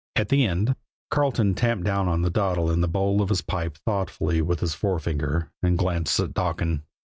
At the end, Carleton tamped down the dottle in the bowl of his pipe thoughtfully with his forefinger and glanced at Donkin.